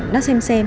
nó xem xem